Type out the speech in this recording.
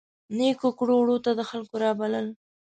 نیکو کړو وړو ته د خلکو رابلل.